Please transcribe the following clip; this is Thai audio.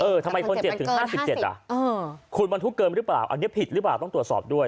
ทำไมคนเจ็บถึง๕๗อ่ะคุณบรรทุกเกินหรือเปล่าอันนี้ผิดหรือเปล่าต้องตรวจสอบด้วย